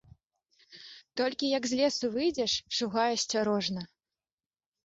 Толькі, як з лесу выйдзеш, шугай асцярожна.